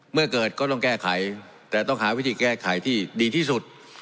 เมื่อเกิดก็ต้องแก้ไขแต่ต้องหาวิธีแก้ไขที่ดีที่สุด